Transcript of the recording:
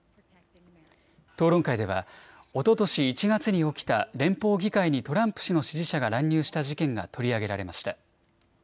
討論会ではおととし１月に起きた連邦議会にトランプ氏の支持者が乱入した事件が取り上げられました。